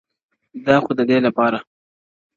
• دا خو ددې لپاره.